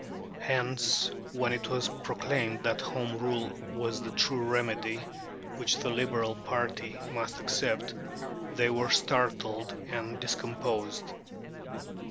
Hence, when it was proclaimed that Home Rule was the true remedy which the Liberal party must accept, they were startled and discomposed.